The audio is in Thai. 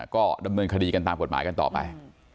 ก็ดำเนินคดีกันตามกฎหมายกันต่อไป